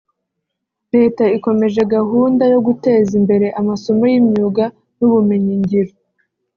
Leta ikomeje gahunda yo guteza imbere amasomo y’imyuga n’ubumenyingiro